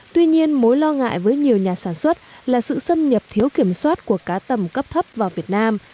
tuy nhiên mối lo ngại với nhiều nhà sản xuất là sự xâm nhập thiếu kiểm soát của cá tầm cấp thấp vào việt nam